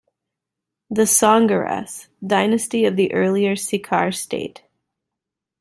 The Songaras, Dynasty of the earlier Sikar State.